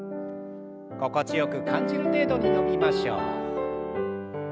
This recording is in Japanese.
心地よく感じる程度に伸びましょう。